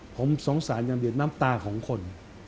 ผมสงสารอย่าเหยียดน้ำตาของคน